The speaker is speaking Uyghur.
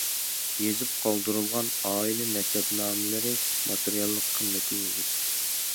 يېزىپ قالدۇرۇلغان ئائىلە نەسەبنامىلىرى ماتېرىياللىق قىممىتىگە ئىگە.